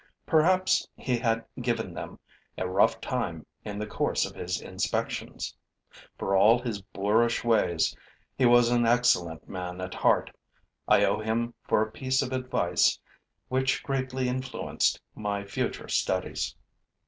Perhaps he had given them a rough time in the course of his inspections. For all his boorish ways, he was an excellent man at heart. I owe him for a piece of advice which greatly influenced my future studies.